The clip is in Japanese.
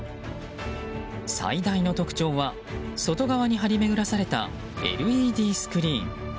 最大の特徴は外側に張り巡らされたＬＥＤスクリーン。